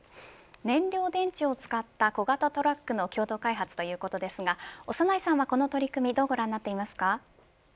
燃料電池を使った小型トラックの共同開発ということですが長内さんはこの取り組みどうご覧になっていますか。